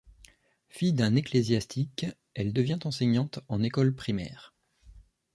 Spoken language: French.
Fille d'un ecclésiastique, elle devient enseignante en école primaire.